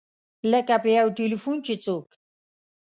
لکه په یو ټیلفون چې څوک.